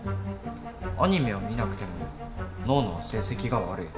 アニメは見なくてもノーノは成績が悪い。